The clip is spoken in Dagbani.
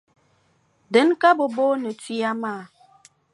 Dina ka bɛ booni tuya maa.